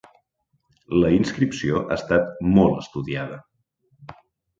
La inscripció ha estat molt estudiada.